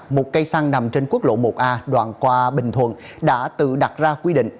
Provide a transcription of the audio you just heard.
một cây xăng nằm trên quốc lộ một a đoạn qua bình thuận đã tự đặt ra quy định